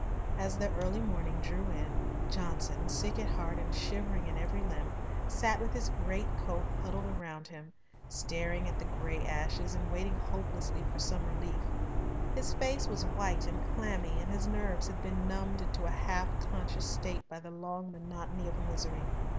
As the early morning drew in, Johnson, sick at heart and shivering in every limb, sat with his great coat huddled round him, staring at the grey ashes and waiting hopelessly for some relief. His face was white and clammy, and his nerves had been numbed into a half conscious state by the long monotony of misery.